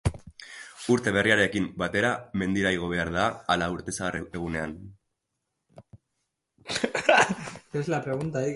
Urte berriarekin batera mendira igo behar da ala urte zahar egunean?